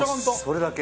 それだけ？